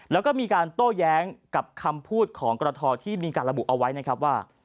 แล้วก็มีการโต้แย้งกับคำพูดของกรทที่มีการระบุเอาไว้นะครับว่า